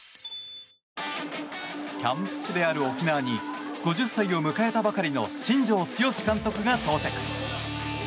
キャンプ地である沖縄に５０歳を迎えたばかりの新庄剛志監督が到着。